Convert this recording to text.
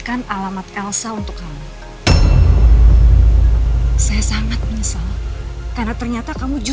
kamu tolong ajak elsa masuk ke dalam dulu